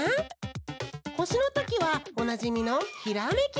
ほしのときはおなじみのひらめきのポーズ！